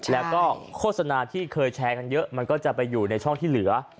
แล้วก็โฆษณาที่เคยแชร์กันเยอะมันก็จะไปอยู่ในช่องที่เหลือ